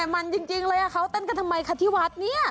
มันจริงเลยเขาเต้นกันทำไมคะที่วัดเนี่ย